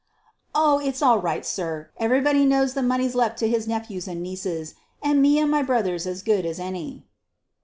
"Oh! it's all right, sir. Everybody knows the money's left to his nephews and nieces, and me and my brother's as good as any."